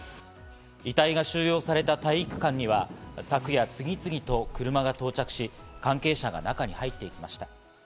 遺体が収容された体育館には昨夜、次々と車が到着し、関係者が中に入っていきました。